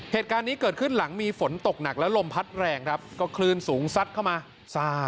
เหตุการณ์นี้เกิดขึ้นหลังมีฝนตกหนักและลมพัดแรงครับก็คลื่นสูงซัดเข้ามาซ่า